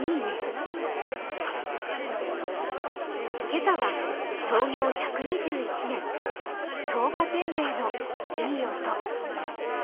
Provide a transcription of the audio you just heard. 今朝は創業１２１年、草加せんべいのいい音。